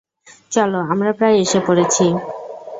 চলো, আমরা প্রায় এসে পড়েছি।